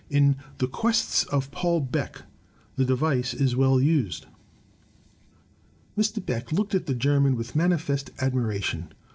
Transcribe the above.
In " The Quests of Paul Beck " the device is well used: Mr. Beck looked at the German with manifest admiration.